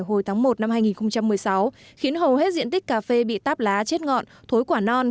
hồi tháng một năm hai nghìn một mươi sáu khiến hầu hết diện tích cà phê bị táp lá chết ngọn thối quả non